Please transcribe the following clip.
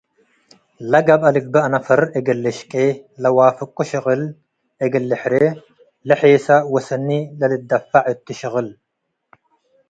ለገብአ ልግበእ ነፈር እግል ልሽቄ፡ ለዋፍቁ ሽቅል እግል ልሕሬ፡ ለሔሰ ወሰኒ ለልደፈዕ እቱ ሽቅል